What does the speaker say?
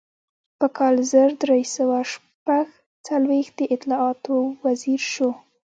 په کال زر درې سوه شپږ څلویښت د اطلاعاتو وزیر شو.